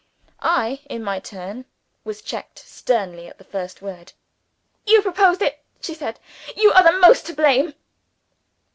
I, in my turn, was checked sternly at the first word. "You proposed it," she said; "You are the most to blame."